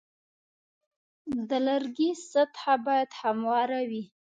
د لرګي سطحه باید همواره وي.